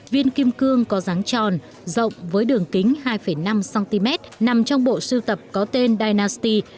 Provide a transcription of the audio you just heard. viên kim cương có ráng tròn rộng với đường kính hai năm cm nằm trong bộ sưu tập có tên dinasti